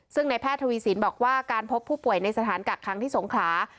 ซึ่งในแพทย์ทวีสินบอกว่าการพบผู้ป่วยในสถานกักคังที่สงขลา